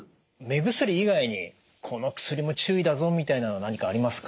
目薬以外にこの薬も注意だぞみたいなの何かありますか？